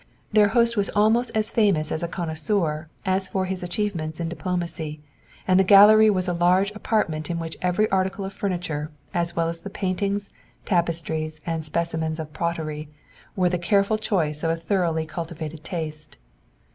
Their host was almost as famous as a connoisseur as for his achievements in diplomacy, and the gallery was a large apartment in which every article of furniture, as well as the paintings, tapestries and specimens of pottery, was the careful choice of a thoroughly cultivated taste.